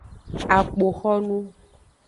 Akpoxonu.